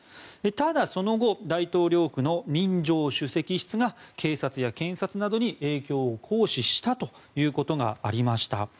ただ、その後大統領府の民情首席室が警察や検察などに影響を行使したということがありました。